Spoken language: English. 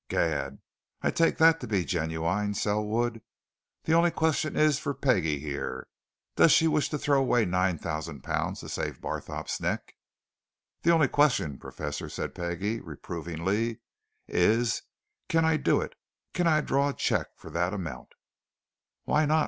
"Gad! I take that to be genuine, Selwood! The only question is for Peggie here does she wish to throw away nine thousand to save Barthorpe's neck?" "The only question, Professor," said Peggie, reprovingly, "is can I do it? Can I draw a cheque for that amount?" "Why not?"